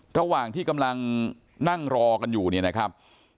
ระหว่างที่กำลังนั่งรอกันอยู่เนี่ยนะครับ